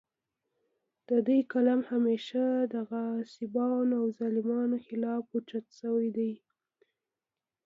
د دوي قلم همېشه د غاصبانو او ظالمانو خالف اوچت شوے دے